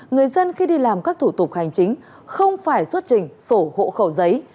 người dân khi đi làm các thủ tục hành chính không phải xuất trình sổ hộ khẩu giấy